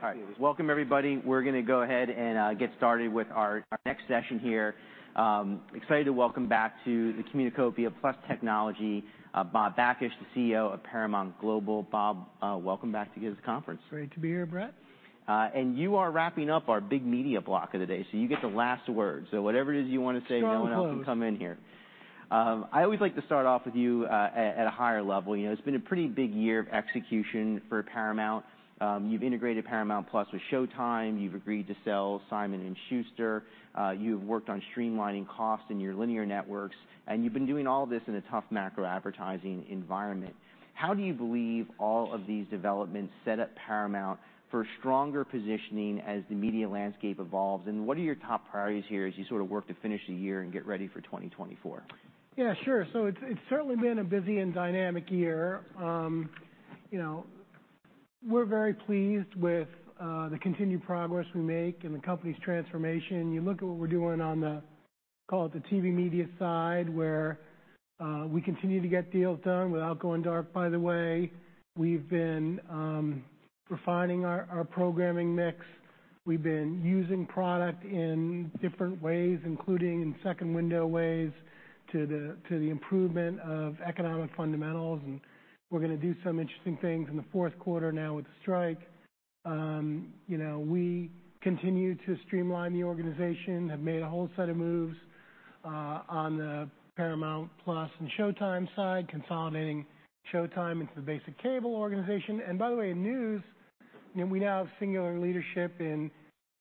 All right. Welcome, everybody. We're gonna go ahead and get started with our next session here. Excited to welcome back to the Communacopia Plus Technology, Bob Bakish, the CEO of Paramount Global. Bob, welcome back to this conference. Great to be here, Brett. And you are wrapping up our big media block of the day, so you get the last word. So whatever it is you wanna say. Strong words. I always like to start off with you at a higher level. You know, it's been a pretty big year of execution for Paramount. You've integrated Paramount+ with Showtime. You've agreed to sell Simon & Schuster. You've worked on streamlining costs in your linear networks, and you've been doing all this in a tough macro advertising environment. How do you believe all of these developments set up Paramount for stronger positioning as the media landscape evolves? And what are your top priorities here as you sort of work to finish the year and get ready for 2024? Yeah, sure. So it's certainly been a busy and dynamic year. You know, we're very pleased with the continued progress we make and the company's transformation. You look at what we're doing on the, call it, the TV media side, where we continue to get deals done without going dark, by the way. We've been refining our programming mix. We've been using product in different ways, including in second window ways, to the improvement of economic fundamentals, and we're gonna do some interesting things in the fourth quarter now with the strike. You know, we continue to streamline the organization, have made a whole set of moves on the Paramount+ and Showtime side, consolidating Showtime into the basic cable organization. And by the way, in news, we now have singular leadership in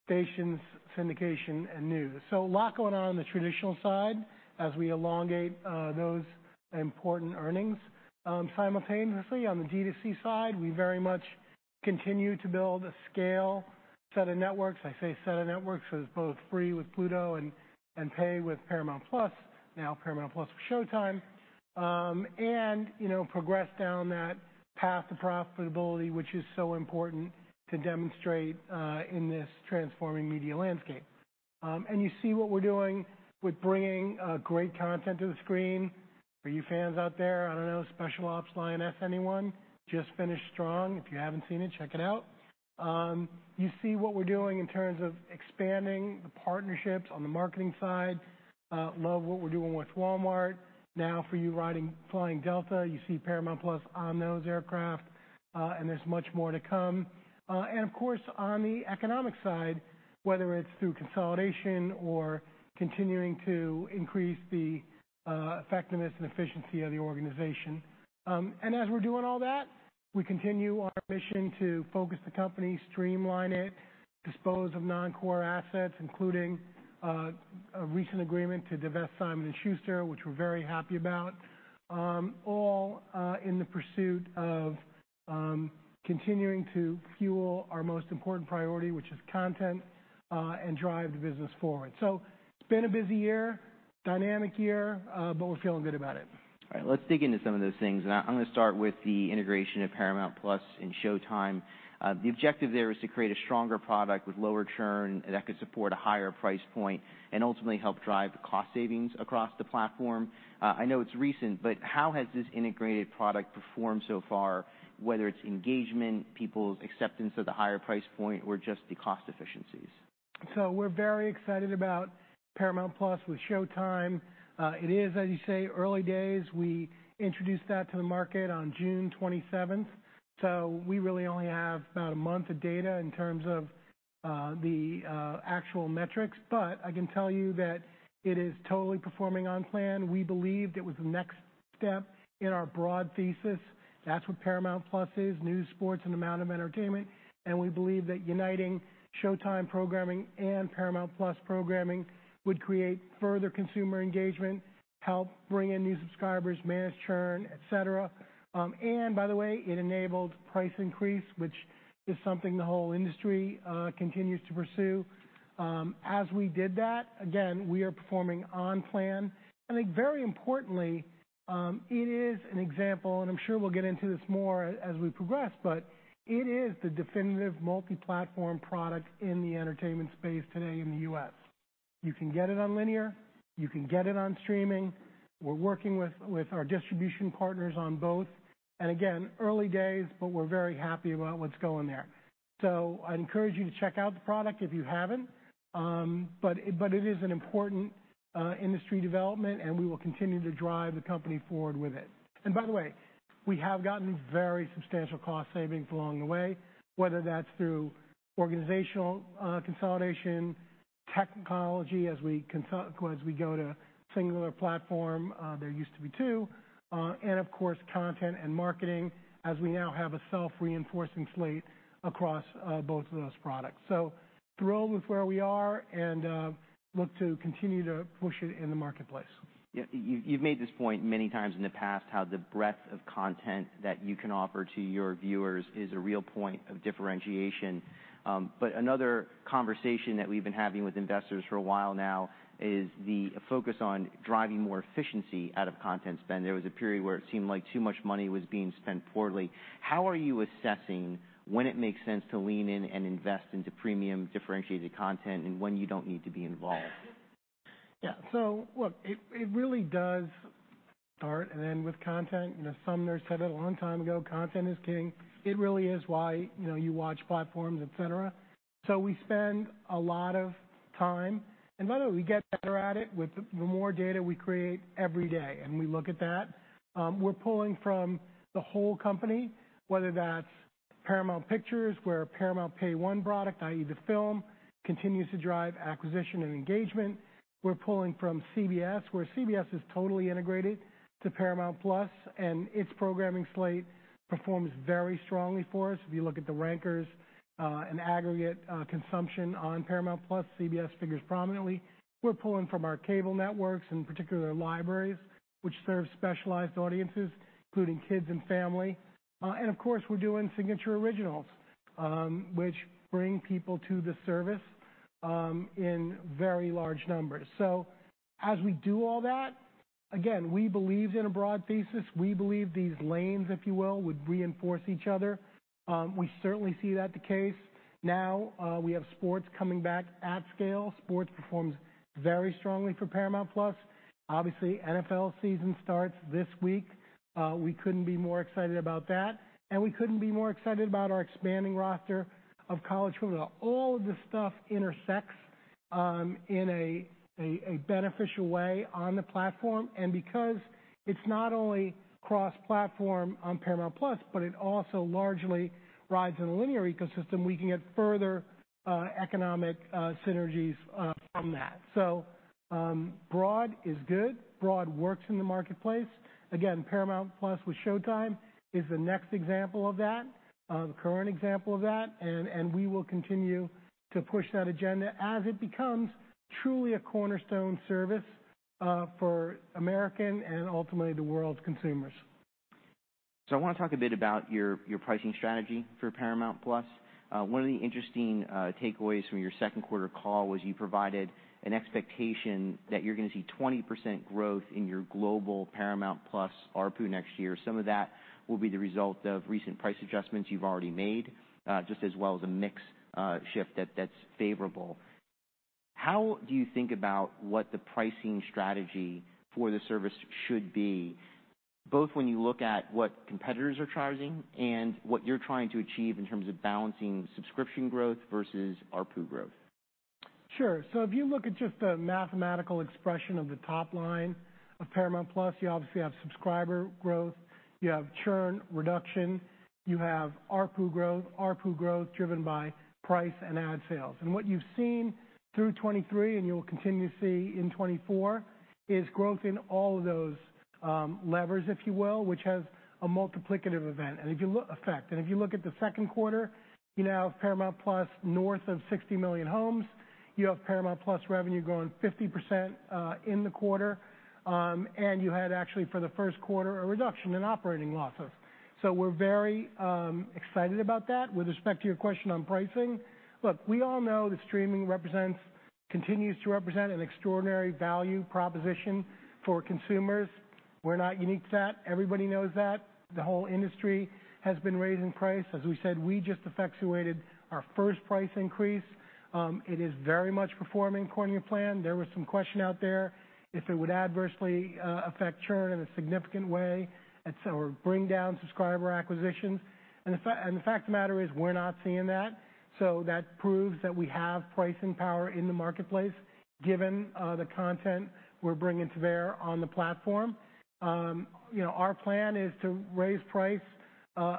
stations, syndication, and news. So a lot going on in the traditional side as we elongate those important earnings. Simultaneously, on the D2C side, we very much continue to build a scale set of networks. I say set of networks because both free with Pluto and pay with Paramount+, now Paramount+ with Showtime. And, you know, progress down that path to profitability, which is so important to demonstrate in this transforming media landscape. And you see what we're doing with bringing great content to the screen. For you fans out there, I don't know, Special Ops: Lioness, anyone? Just finished strong. If you haven't seen it, check it out. You see what we're doing in terms of expanding the partnerships on the marketing side. Love what we're doing with Walmart. Now, for you riding, flying Delta, you see Paramount+ on those aircraft, and there's much more to come. And of course, on the economic side, whether it's through consolidation or continuing to increase the effectiveness and efficiency of the organization. And as we're doing all that, we continue our mission to focus the company, streamline it, dispose of non-core assets, including a recent agreement to divest Simon & Schuster, which we're very happy about. All in the pursuit of continuing to fuel our most important priority, which is content, and drive the business forward. So it's been a busy year, dynamic year, but we're feeling good about it. All right, let's dig into some of those things. I'm gonna start with the integration of Paramount+ and Showtime. The objective there is to create a stronger product with lower churn that could support a higher price point and ultimately help drive the cost savings across the platform. I know it's recent, but how has this integrated product performed so far, whether it's engagement, people's acceptance of the higher price point, or just the cost efficiencies? So we're very excited about Paramount + with Showtime. It is, as you say, early days. We introduced that to the market on June 27, 2023 so we really only have about a month of data in terms of the actual metrics. But I can tell you that it is totally performing on plan. We believed it was the next step in our broad thesis. That's what Paramount+ is, news, sports, and a amount of entertainment, and we believe that uniting Showtime programming and Paramount+programming would create further consumer engagement, help bring in new subscribers, manage churn, et cetera. And by the way, it enabled price increase, which is something the whole industry continues to pursue. As we did that, again, we are performing on plan. I think very importantly, it is an example, and I'm sure we'll get into this more as we progress, but it is the definitive multi-platform product in the entertainment space today in the U.S. You can get it on linear, you can get it on streaming. We're working with our distribution partners on both. And again, early days, but we're very happy about what's going there. So I encourage you to check out the product if you haven't. But it is an important industry development, and we will continue to drive the company forward with it. And by the way, we have gotten very substantial cost savings along the way, whether that's through organizational consolidation, technology, as we go to singular platform, there used to be two, and of course, content and marketing, as we now have a self-reinforcing slate across both of those products. So thrilled with where we are and look to continue to push it in the marketplace. Yeah, you've made this point many times in the past, how the breadth of content that you can offer to your viewers is a real point of differentiation. But another conversation that we've been having with investors for a while now is the focus on driving more efficiency out of content spend. There was a period where it seemed like too much money was being spent poorly. How are you assessing when it makes sense to lean in and invest into premium differentiated content and when you don't need to be involved? Yeah. So look, it, it really does start. And then with content, you know, Sumner said it a long time ago: content is king. It really is why, you know, you watch platforms, et cetera. So we spend a lot of time, and by the way, we get better at it with the more data we create every day, and we look at that. We're pulling from the whole company, whether that's Paramount Pictures, where a Paramount Pay 1 product, i.e., the film, continues to drive acquisition and engagement. We're pulling from CBS, where CBS is totally integrated to Paramount+, and its programming slate performs very strongly for us. If you look at the rankers, and aggregate, consumption on Paramount+, CBS figures prominently. We're pulling from our cable networks, in particular, libraries, which serve specialized audiences, including kids and family. And of course, we're doing signature originals, which bring people to the service in very large numbers. So as we do all that, again, we believed in a broad thesis. We believe these lanes, if you will, would reinforce each other. We certainly see that the case now. We have sports coming back at scale. Sports performs very strongly for Paramount Plus. Obviously, NFL season starts this week. We couldn't be more excited about that, and we couldn't be more excited about our expanding roster of college football. All of this stuff intersects in a beneficial way on the platform. And because it's not only cross-platform on Paramount Plus, but it also largely rides in the linear ecosystem, we can get further economic synergies from that. So, broad is good. Broad works in the marketplace. Again, Paramount+ with Showtime is the next example of that, current example of that, and, and we will continue to push that agenda as it becomes truly a cornerstone service, for American and ultimately the world's consumers. I want to talk a bit about your pricing strategy for Paramount+. One of the interesting takeaways from your second quarter call was you provided an expectation that you're gonna see 20% growth in your global Paramount+ ARPU next year. Some of that will be the result of recent price adjustments you've already made, just as well as a mix shift that's favorable. How do you think about what the pricing strategy for the service should be, both when you look at what competitors are charging and what you're trying to achieve in terms of balancing subscription growth versus ARPU growth? Sure. So if you look at just the mathematical expression of the top line of Paramount+, you obviously have subscriber growth, you have churn reduction, you have ARPU growth, ARPU growth driven by price and ad sales. And what you've seen through 2023, and you'll continue to see in 2024, is growth in all of those levers, if you will, which has a multiplicative effect. And if you look at the second quarter, you now have Paramount+ north of 60 million homes. You have Paramount+ revenue growing 50% in the quarter. And you had actually for the first quarter, a reduction in operating losses. So we're very excited about that. With respect to your question on pricing, look, we all know that streaming represents, continues to represent an extraordinary value proposition for consumers. We're not unique to that. Everybody knows that. The whole industry has been raising price. As we said, we just effectuated our first price increase. It is very much performing according to plan. There was some question out there if it would adversely affect churn in a significant way, et cetera, or bring down subscriber acquisitions. And the fact of the matter is we're not seeing that, so that proves that we have pricing power in the marketplace, given the content we're bringing to bear on the platform. You know, our plan is to raise price.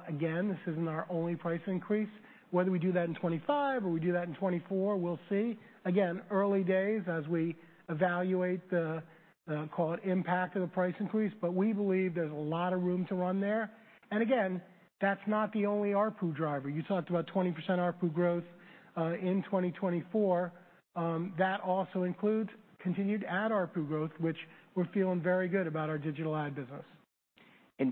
Again, this isn't our only price increase. Whether we do that in 2025 or we do that in 2024, we'll see. Again, early days as we evaluate the, call it, impact of the price increase, but we believe there's a lot of room to run there. Again, that's not the only ARPU driver. You talked about 20% ARPU growth in 2024. That also includes continued ad ARPU growth, which we're feeling very good about our digital ad business.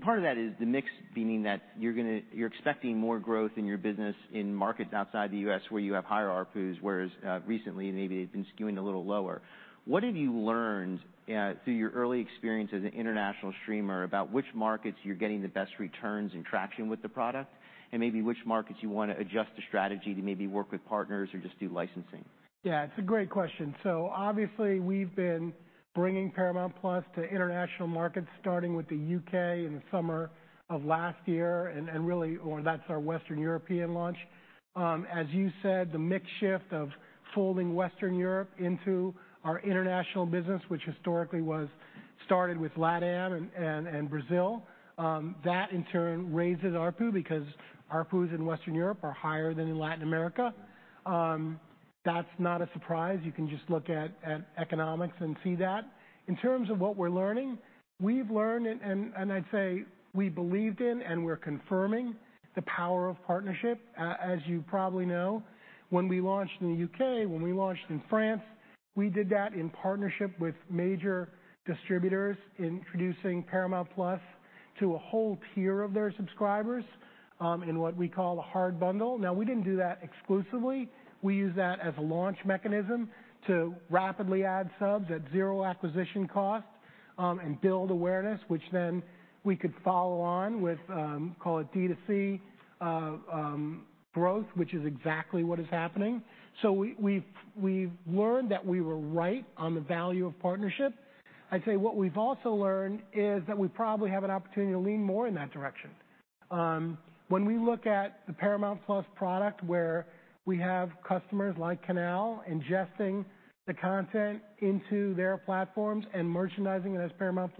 Part of that is the mix, meaning that you're expecting more growth in your business in markets outside the U.S., where you have higher ARPUs, whereas recently, maybe it's been skewing a little lower. What have you learned through your early experience as an international streamer about which markets you're getting the best returns and traction with the product, and maybe which markets you wanna adjust the strategy to maybe work with partners or just do licensing? Yeah, it's a great question. So obviously, we've been bringing Paramount+ to international markets, starting with the UK in the summer of last year, and really, well, that's our Western European launch. As you said, the mix shift of folding Western Europe into our international business, which historically was started with Latin and Brazil. That, in turn, raises ARPU because ARPUs in Western Europe are higher than in Latin America. That's not a surprise. You can just look at economics and see that. In terms of what we're learning, we've learned, and I'd say we believed in, and we're confirming the power of partnership. As you probably know, when we launched in the UK, when we launched in France, we did that in partnership with major distributors, introducing Paramount+ to a whole tier of their subscribers, in what we call a hard bundle. Now, we didn't do that exclusively. We used that as a launch mechanism to rapidly add subs at zero acquisition cost, and build awareness, which then we could follow on with, call it D2C growth, which is exactly what is happening. So we've learned that we were right on the value of partnership. I'd say what we've also learned is that we probably have an opportunity to lean more in that direction. When we look at the Paramount+ product, where we have customers like Canal ingesting the content into their platforms and merchandising it as Paramount+,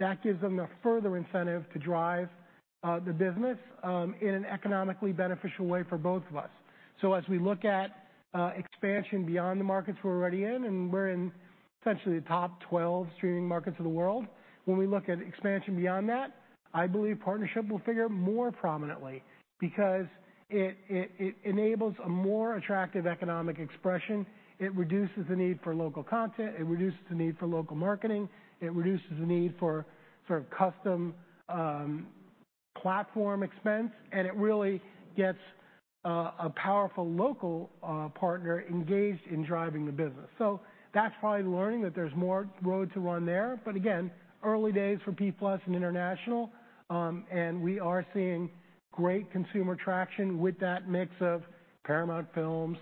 that gives them the further incentive to drive the business in an economically beneficial way for both of us. So as we look at expansion beyond the markets we're already in, and we're in essentially the top 12 streaming markets of the world, when we look at expansion beyond that, I believe partnership will figure more prominently because it enables a more attractive economic expression. It reduces the need for local content, it reduces the need for local marketing, it reduces the need for sort of custom platform expense, and it really gets a powerful local partner engaged in driving the business. So that's probably learning that there's more road to run there. But again, early days for P+ and international. And we are seeing great consumer traction with that mix of Paramount films,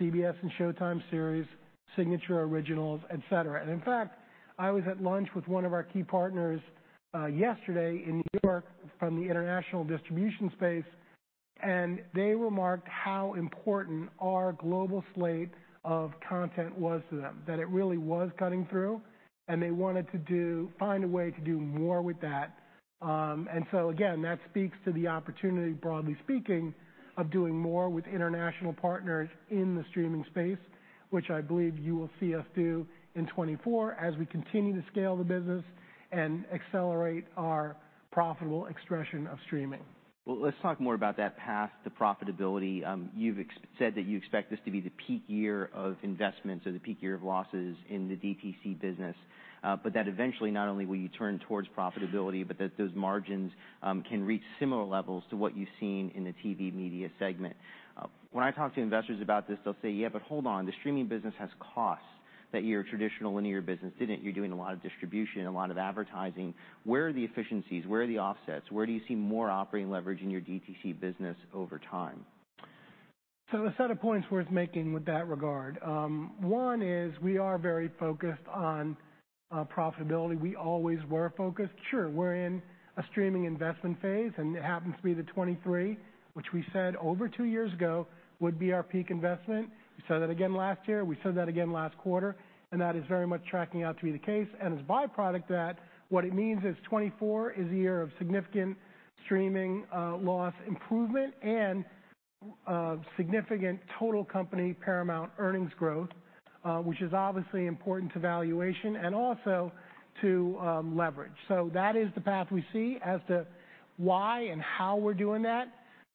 CBS and Showtime series, signature originals, et cetera. And in fact, I was at lunch with one of our key partners yesterday in New York from the international distribution space, and they remarked how important our global slate of content was to them, that it really was cutting through, and they wanted to find a way to do more with that. And so again, that speaks to the opportunity, broadly speaking, of doing more with international partners in the streaming space, which I believe you will see us do in 2024 as we continue to scale the business and accelerate our profitable expression of streaming. Well, let's talk more about that path to profitability. You've said that you expect this to be the peak year of investments or the peak year of losses in the DTC business, but that eventually, not only will you turn towards profitability, but that those margins can reach similar levels to what you've seen in the TV media segment. When I talk to investors about this, they'll say, "Yeah, but hold on. The streaming business has costs that your traditional linear business didn't. You're doing a lot of distribution, a lot of advertising. Where are the efficiencies? Where are the offsets? Where do you see more operating leverage in your DTC business over time? So a set of points worth making with that regard. One is we are very focused on profitability. We always were focused. Sure, we're in a streaming investment phase, and it happens to be the 2023, which we said over two years ago would be our peak investment. We said that again last year, we said that again last quarter, and that is very much tracking out to be the case. And as a byproduct of that, what it means is 2024 is a year of significant streaming loss improvement and significant total company Paramount earnings growth, which is obviously important to valuation and also to leverage. So that is the path we see. As to why and how we're doing that,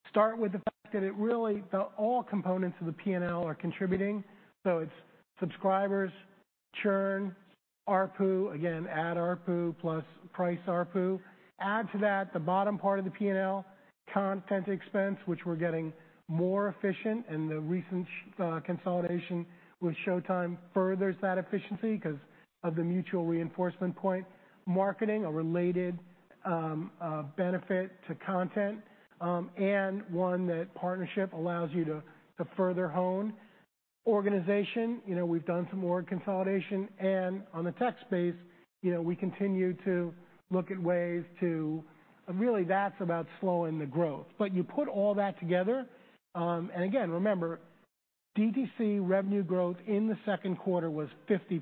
start with the fact that all components of the P&L are contributing. So it's subscribers, churn, ARPU, again, add ARPU plus price ARPU. Add to that, the bottom part of the P&L content expense, which we're getting more efficient, and the recent consolidation with Showtime furthers that efficiency because of the mutual reinforcement point. Marketing, a related benefit to content, and one that partnership allows you to further hone. Organization, you know, we've done some org consolidation, and on the tech space, you know, we continue to look at ways to... Really, that's about slowing the growth. But you put all that together, and again, remember, DTC revenue growth in the second quarter was 50%.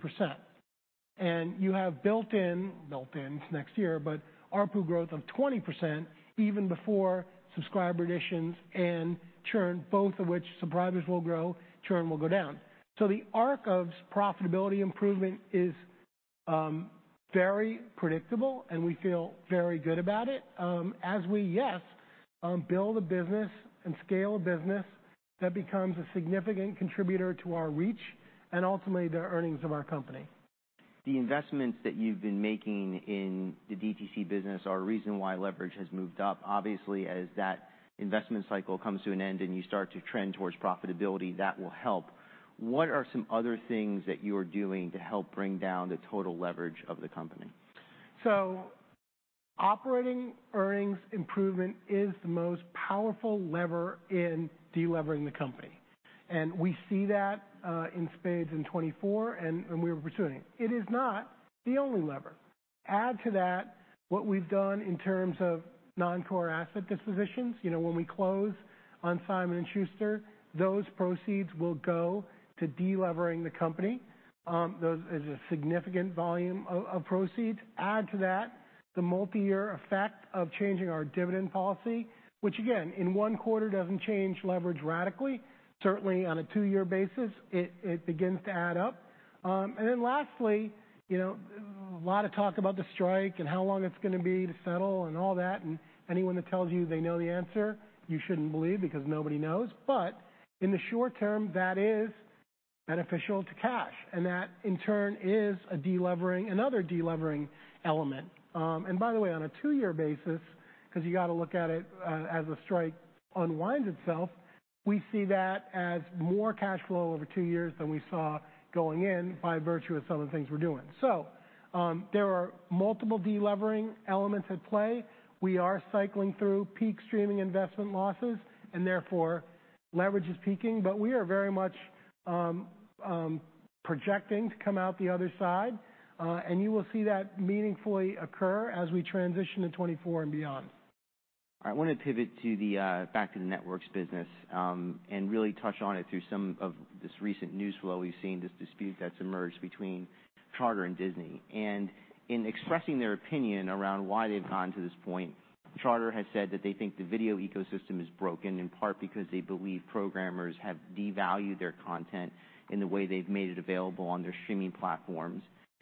And you have built-in, built in, it's next year, but ARPU growth of 20% even before subscriber additions and churn, both of which subscribers will grow, churn will go down. So the arc of profitability improvement is very predictable, and we feel very good about it as we build a business and scale a business that becomes a significant contributor to our reach and ultimately the earnings of our company. The investments that you've been making in the DTC business are a reason why leverage has moved up. Obviously, as that investment cycle comes to an end and you start to trend towards profitability, that will help. What are some other things that you are doing to help bring down the total leverage of the company? So operating earnings improvement is the most powerful lever in delevering the company, and we see that in spades in 2024, and we're pursuing. It is not the only lever. Add to that what we've done in terms of non-core asset dispositions. You know, when we close on Simon & Schuster, those proceeds will go to delevering the company. Those is a significant volume of proceeds. Add to that the multi-year effect of changing our dividend policy, which again, in one quarter, doesn't change leverage radically. Certainly, on a two-year basis, it begins to add up. And then lastly, you know, a lot of talk about the strike and how long it's gonna be to settle and all that, and anyone that tells you they know the answer, you shouldn't believe, because nobody knows. But in the short term, that is beneficial to cash, and that, in turn, is a delevering, another delevering element. And by the way, on a two-year basis, because you got to look at it as the strike unwinds itself, we see that as more cash flow over two years than we saw going in by virtue of some of the things we're doing. There are multiple delevering elements at play. We are cycling through peak streaming investment losses, and therefore, leverage is peaking. But we are very much projecting to come out the other side, and you will see that meaningfully occur as we transition to 2024 and beyond. I want to pivot to the back to the networks business, and really touch on it through some of this recent news flow. We've seen this dispute that's emerged between Charter and Disney, and in expressing their opinion around why they've gotten to this point, Charter has said that they think the video ecosystem is broken, in part because they believe programmers have devalued their content in the way they've made it available on their streaming platforms.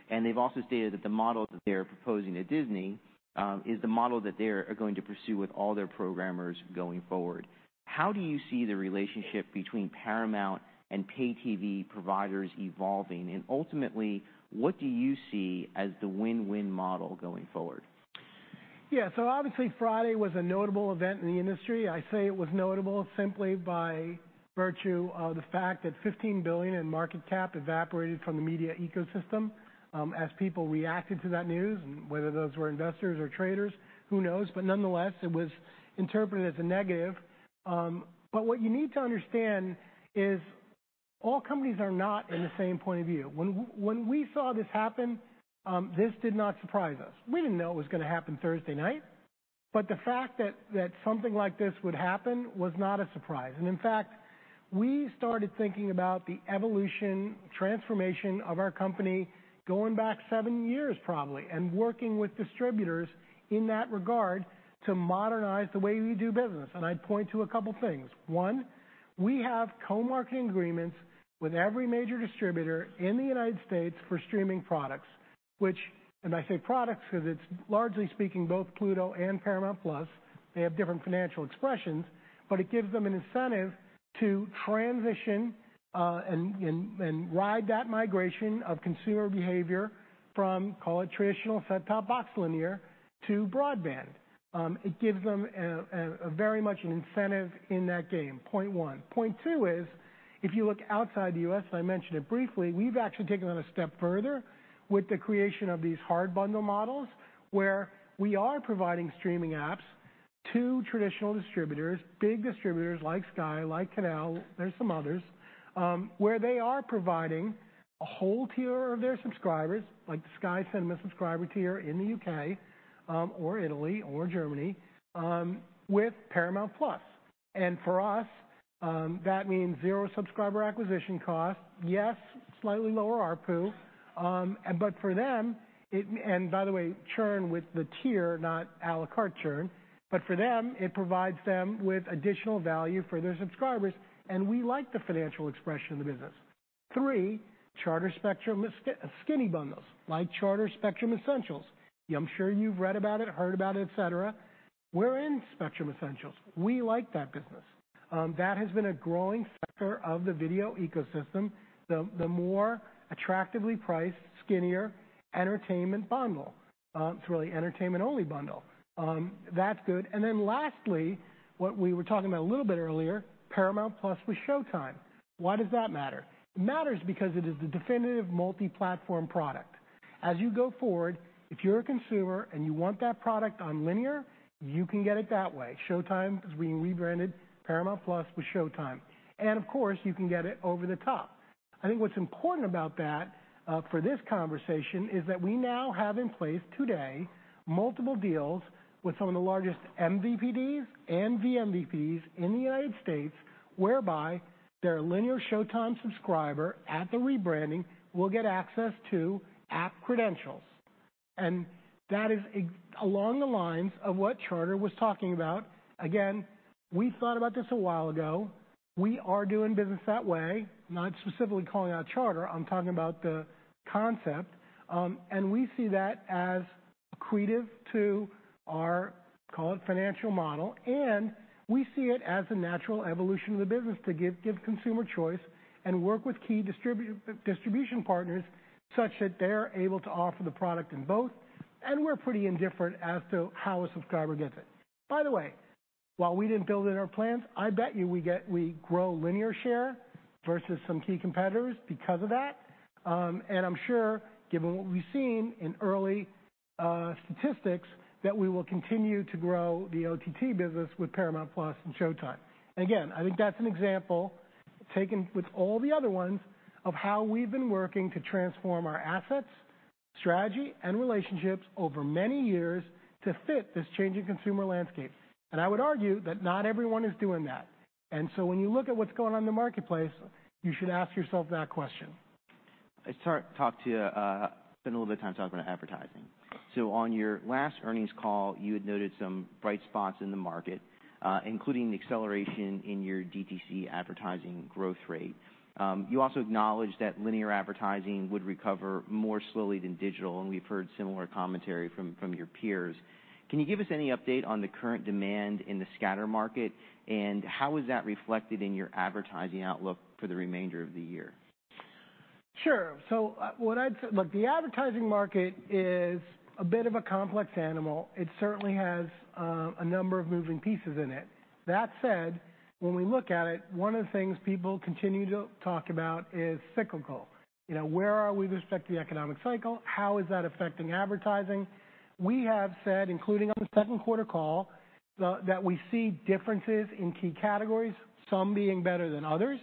They've also stated that the model that they are proposing to Disney is the model that they are going to pursue with all their programmers going forward. How do you see the relationship between Paramount and pay TV providers evolving? And ultimately, what do you see as the win-win model going forward? Yeah, so obviously, Friday was a notable event in the industry. I say it was notable simply by virtue of the fact that $15 billion in market cap evaporated from the media ecosystem, as people reacted to that news. And whether those were investors or traders, who knows? But nonetheless, it was interpreted as a negative. But what you need to understand is all companies are not in the same point of view. When we saw this happen, this did not surprise us. We didn't know it was gonna happen Thursday night, but the fact that something like this would happen was not a surprise. And in fact, we started thinking about the evolution, transformation of our company going back seven years, probably, and working with distributors in that regard to modernize the way we do business. And I'd point to a couple things. One, we have co-marketing agreements with every major distributor in the United States for streaming products, which, and I say products, because it's largely speaking, both Pluto and Paramount+. They have different financial expressions, but it gives them an incentive to transition and ride that migration of consumer behavior from, call it, traditional set-top box linear to broadband. It gives them a very much an incentive in that game, point one. Point two is if you look outside the U.S., and I mentioned it briefly, we've actually taken it a step further with the creation of these hard bundle models, where we are providing streaming apps to traditional distributors, big distributors, like Sky, like Canal. There's some others, where they are providing a whole tier of their subscribers, like the Sky Cinema subscriber tier in the U.K., or Italy or Germany, with Paramount+. And for us, that means zero subscriber acquisition cost. Yes, slightly lower ARPU, but for them, it... And by the way, churn with the tier, not a la carte churn, but for them, it provides them with additional value for their subscribers, and we like the financial expression of the business. Three, Charter Spectrum skinny bundles, like Charter Spectrum Essentials. I'm sure you've read about it, heard about it, et cetera. We're in Spectrum Essentials. We like that business. That has been a growing sector of the video ecosystem, the more attractively priced, skinnier entertainment bundle. It's really entertainment-only bundle. That's good. Then lastly, what we were talking about a little bit earlier, Paramount+ with Showtime. Why does that matter? It matters because it is the definitive multi-platform product. As you go forward, if you're a consumer and you want that product on linear, you can get it that way. Showtime is being rebranded, Paramount+ with Showtime, and of course, you can get it over the top. I think what's important about that, for this conversation, is that we now have in place today, multiple deals with some of the largest MVPDs and vMVPDs in the United States, whereby their linear Showtime subscriber at the rebranding will get access to app credentials. And that is along the lines of what Charter was talking about. Again, we thought about this a while ago. We are doing business that way, not specifically calling out Charter. I'm talking about the concept. And we see that as accretive to our, call it, financial model, and we see it as a natural evolution of the business to give, give consumer choice and work with key distribution partners such that they're able to offer the product in both. And we're pretty indifferent as to how a subscriber gets it. By the way, while we didn't build it in our plans, I bet you we grow linear share versus some key competitors because of that. And I'm sure, given what we've seen in early statistics, that we will continue to grow the OTT business with Paramount Plus and Showtime. Again, I think that's an example, taken with all the other ones, of how we've been working to transform our assets, strategy, and relationships over many years to fit this changing consumer landscape. I would argue that not everyone is doing that. So when you look at what's going on in the marketplace, you should ask yourself that question. Let's talk, talk to you, spend a little bit of time talking about advertising. So on your last earnings call, you had noted some bright spots in the market, including the acceleration in your DTC advertising growth rate. You also acknowledged that linear advertising would recover more slowly than digital, and we've heard similar commentary from, from your peers. Can you give us any update on the current demand in the scatter market, and how is that reflected in your advertising outlook for the remainder of the year? Sure. So, what I'd say... Look, the advertising market is a bit of a complex animal. It certainly has a number of moving pieces in it. That said, when we look at it, one of the things people continue to talk about is cyclical. You know, where are we with respect to the economic cycle? How is that affecting advertising? We have said, including on the second quarter call, that we see differences in key categories, some being better than others.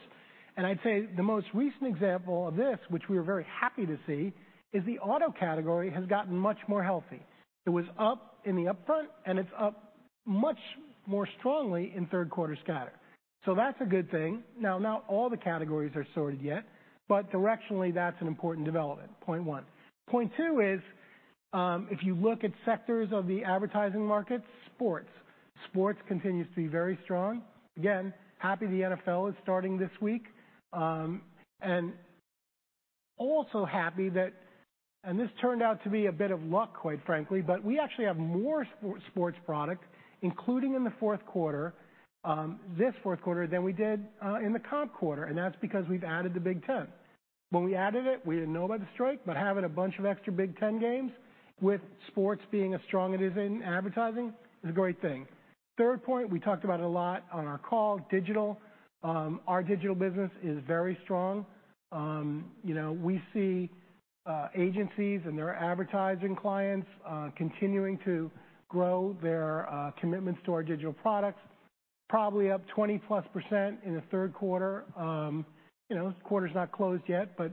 And I'd say the most recent example of this, which we are very happy to see, is the auto category has gotten much more healthy. It was up in the Upfront, and it's up much more strongly in third quarter Scatter. So that's a good thing. Now, not all the categories are sorted yet, but directionally, that's an important development, point one. Point two is, if you look at sectors of the advertising market, sports. Sports continues to be very strong. Again, happy the NFL is starting this week, and also happy that—and this turned out to be a bit of luck, quite frankly, but we actually have more sport, sports product, including in the fourth quarter, this fourth quarter, than we did in the comp quarter, and that's because we've added the Big Ten. When we added it, we didn't know about the strike, but having a bunch of extra Big Ten games with sports being as strong as it is in advertising is a great thing. Third point, we talked about it a lot on our call, digital. Our digital business is very strong. You know, we see agencies and their advertising clients continuing to grow their commitments to our digital products, probably up 20%+ in the third quarter. You know, the quarter's not closed yet, but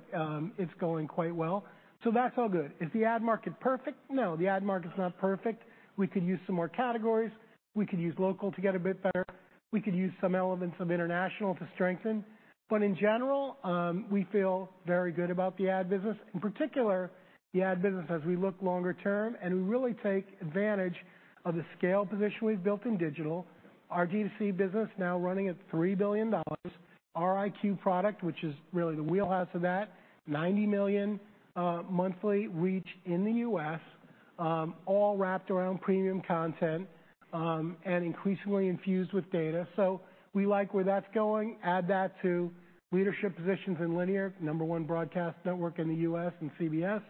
it's going quite well. So that's all good. Is the ad market perfect? No, the ad market's not perfect. We could use some more categories. We could use local to get a bit better. We could use some elements of international to strengthen, but in general, we feel very good about the ad business, in particular, the ad business as we look longer term, and we really take advantage of the scale position we've built in digital. Our D2C business now running at $3 billion. Our EyeQ product, which is really the wheelhouse of that, $90 million monthly reach in the U.S., all wrapped around premium content, and increasingly infused with data. So we like where that's going. Add that to leadership positions in linear, number one broadcast network in the U.S. in CBS,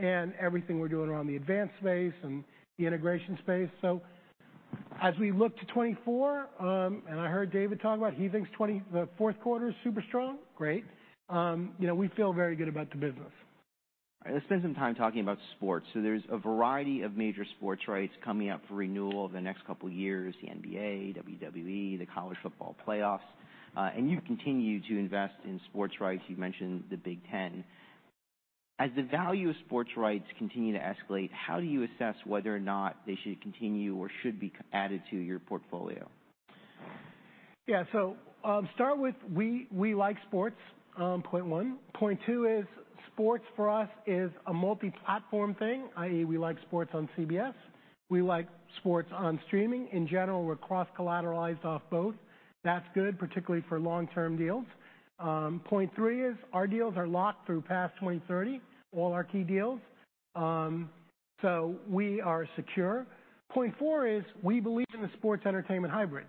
and everything we're doing around the advanced space and the integration space. So as we look to 2024, and I heard David talk about he thinks 2024 the fourth quarter is super strong, great. You know, we feel very good about the business. Let's spend some time talking about sports. So there's a variety of major sports rights coming up for renewal over the next couple of years, the NBA, WWE, the college football playoffs, and you continue to invest in sports rights. You mentioned the Big Ten. As the value of sports rights continue to escalate, how do you assess whether or not they should continue or should be added to your portfolio? Yeah, so, start with we like sports, point one. Point two is sports for us is a multi-platform thing, i.e. we like sports on CBS. We like sports on streaming. In general, we're cross-collateralized off both. That's good, particularly for long-term deals. Point three is our deals are locked through past 2030, all our key deals. So we are secure. Point four is we believe in the sports entertainment hybrid.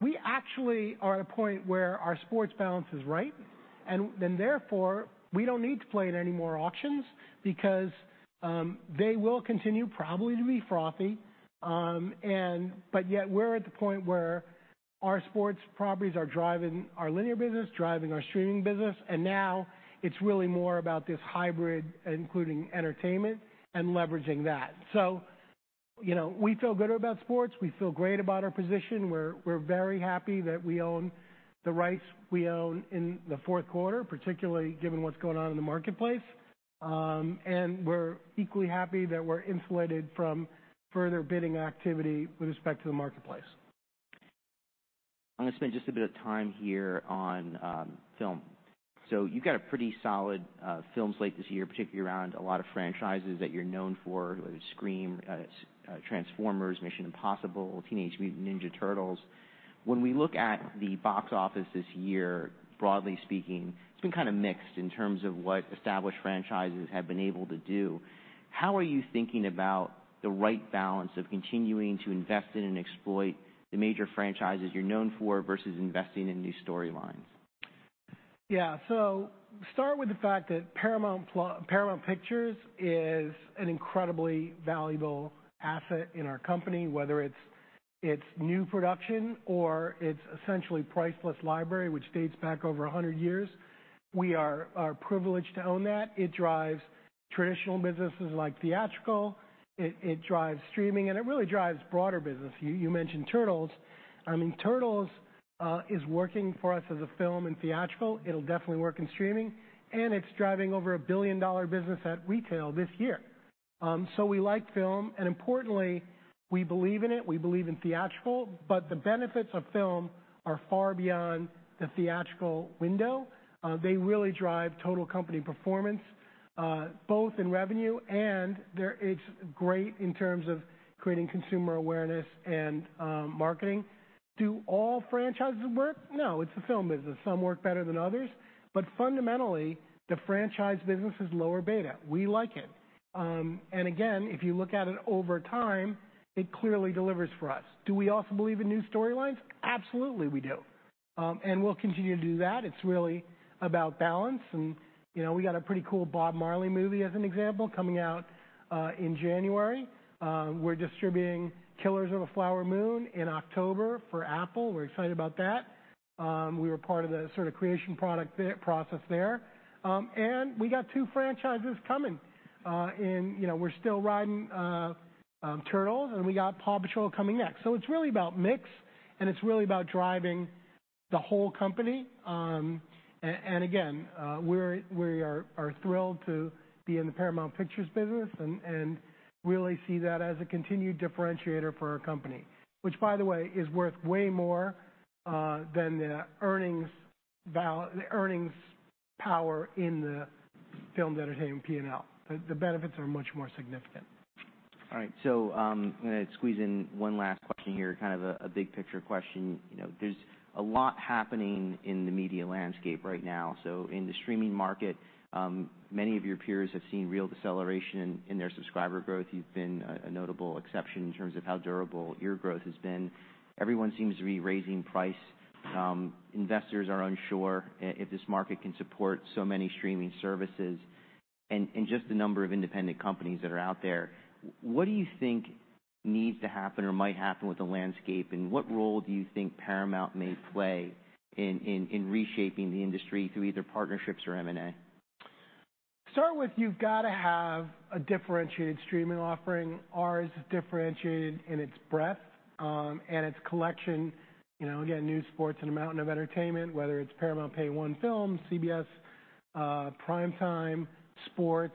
We actually are at a point where our sports balance is right, and then therefore, we don't need to play in any more auctions because they will continue probably to be frothy. And but yet we're at the point where our sports properties are driving our linear business, driving our streaming business, and now it's really more about this hybrid, including entertainment and leveraging that. So you know, we feel good about sports. We feel great about our position. We're very happy that we own the rights we own in the fourth quarter, particularly given what's going on in the marketplace. And we're equally happy that we're insulated from further bidding activity with respect to the marketplace. I'm going to spend just a bit of time here on film. So you've got a pretty solid film slate this year, particularly around a lot of franchises that you're known for, like Scream, Transformers, Mission Impossible, Teenage Mutant Ninja Turtles. When we look at the box office this year, broadly speaking, it's been kind of mixed in terms of what established franchises have been able to do. How are you thinking about the right balance of continuing to invest in and exploit the major franchises you're known for versus investing in new storylines? Yeah. So start with the fact that Paramount Pictures is an incredibly valuable asset in our company, whether it's new production or it's essentially priceless library, which dates back over 100 years. We are privileged to own that. It drives traditional businesses like theatrical, it drives streaming, and it really drives broader business. You mentioned Turtles. I mean, Turtles is working for us as a film in theatrical. It'll definitely work in streaming, and it's driving over a billion-dollar business at retail this year. So we like film, and importantly, we believe in it. We believe in theatrical, but the benefits of film are far beyond the theatrical window. They really drive total company performance, both in revenue, and it's great in terms of creating consumer awareness and marketing. Do all franchises work? No, it's a film business. Some work better than others, but fundamentally, the franchise business is lower beta. We like it. And again, if you look at it over time, it clearly delivers for us. Do we also believe in new storylines? Absolutely, we do. And we'll continue to do that. It's really about balance and, you know, we got a pretty cool Bob Marley movie, as an example, coming out in January. We're distributing Killers of the Flower Moon in October for Apple. We're excited about that. We were part of the sort of creation product there, process there. And we got two franchises coming. And you know, we're still riding Turtles, and we got Paw Patrol coming next. So it's really about mix, and it's really about driving the whole company. And again, we are thrilled to be in the Paramount Pictures business and really see that as a continued differentiator for our company. Which, by the way, is worth way more than the earnings power in the film entertainment P&L. The benefits are much more significant. All right. So, I'm gonna squeeze in one last question here, kind of a big picture question. You know, there's a lot happening in the media landscape right now. So in the streaming market, many of your peers have seen real deceleration in their subscriber growth. You've been a notable exception in terms of how durable your growth has been. Everyone seems to be raising price. Investors are unsure if this market can support so many streaming services and just the number of independent companies that are out there. What do you think needs to happen or might happen with the landscape, and what role do you think Paramount may play in reshaping the industry through either partnerships or M&A? Start with, you've gotta have a differentiated streaming offering. Ours is differentiated in its breadth, and its collection. You know, again, news, sports, and a mountain of entertainment, whether it's Paramount Pay 1 film, CBS, primetime, sports,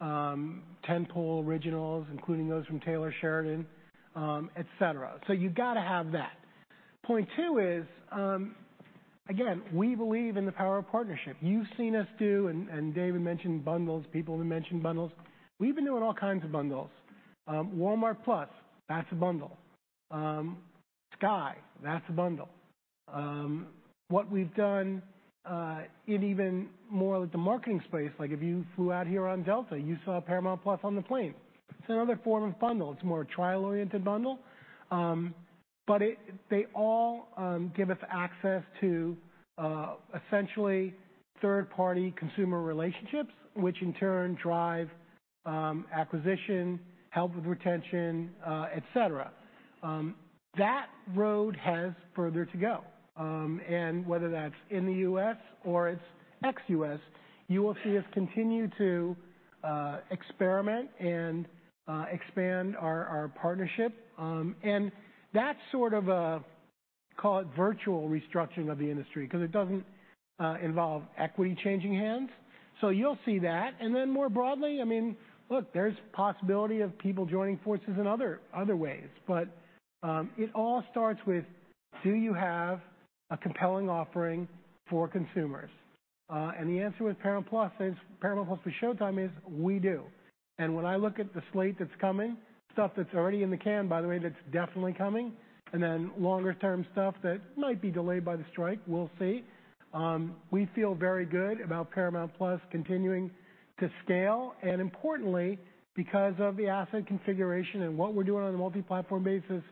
tent-pole originals, including those from Taylor Sheridan, et cetera. So you've gotta have that. Point two is, again, we believe in the power of partnership. You've seen us do, and David mentioned bundles, people have mentioned bundles. We've been doing all kinds of bundles. Walmart+, that's a bundle. Sky, that's a bundle. What we've done, in even more with the marketing space, like if you flew out here on Delta, you saw Paramount+ on the plane. It's another form of bundle. It's a more trial-oriented bundle. But it. They all give us access to essentially third-party consumer relationships, which in turn drive acquisition, help with retention, et cetera. That road has further to go. And whether that's in the US or it's ex-US, you will see us continue to experiment and expand our partnership. And that's sort of a, call it, virtual restructuring of the industry, because it doesn't involve equity changing hands. So you'll see that. And then more broadly, I mean, look, there's possibility of people joining forces in other ways. But it all starts with, do you have a compelling offering for consumers? And the answer with Paramount+ is, Paramount+ with Showtime is, we do. And when I look at the slate that's coming, stuff that's already in the can, by the way, that's definitely coming, and then longer term stuff that might be delayed by the strike, we'll see. We feel very good about Paramount+ continuing to scale, and importantly, because of the asset configuration and what we're doing on a multi-platform basis,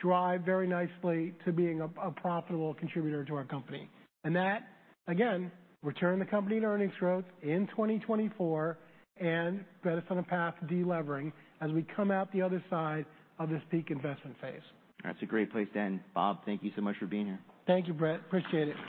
drive very nicely to being a profitable contributor to our company. And that, again, return the company to earnings growth in 2024, and get us on a path to delevering as we come out the other side of this peak investment phase. That's a great place to end. Bob, thank you so much for being here. Thank you, Brett. Appreciate it.